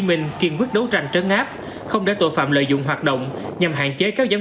minh kiên quyết đấu tranh trấn áp không để tội phạm lợi dụng hoạt động nhằm hạn chế các giám